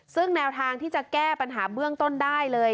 ซึ่งแนวทางที่จะแก้ปัญหาเบื้องต้นได้เลย